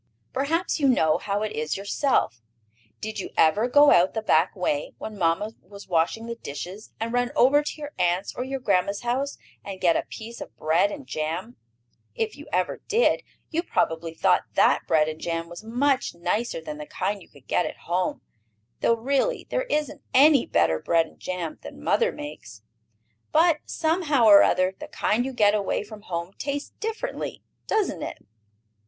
Perhaps you know how it is yourself. Did you ever go out the back way, when mamma was washing the dishes, and run over to your aunt's or your grandma's house, and get a piece of bread and jam? If you ever did, you probably thought that bread and jam was much nicer than the kind you could get at home, though really there isn't any better bread and jam than mother makes. But, somehow or other, the kind you get away from home tastes differently, doesn't it?